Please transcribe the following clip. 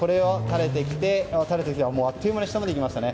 垂れてきてあっという間に下に来ましたね。